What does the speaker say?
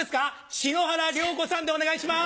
篠原涼子さんでお願いします！